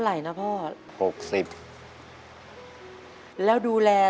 คุณหมอบอกว่าเอาไปพักฟื้นที่บ้านได้แล้ว